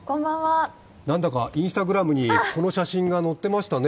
何だかＩｎｓｔａｇｒａｍにこの写真が載ってましたね。